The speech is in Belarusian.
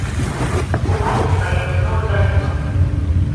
Улада свае высновы зрабіла.